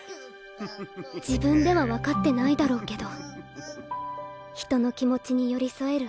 自分では分かってないだろうけど人の気持ちに寄り添える